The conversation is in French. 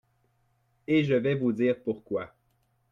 et je vais vous dire pourquoi.